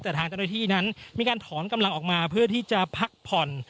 แต่ทางเจ้าหน้าที่นั้นมีการถอนกำลังออกมาเพื่อที่จะพักผ่อน